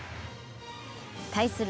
対する